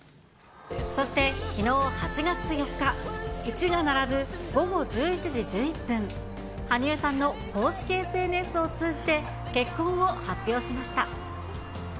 そして、きのう８月４日、１が並ぶ午後１１時１１分、羽生さんの公式ＳＮＳを通じて、結婚を発表しました。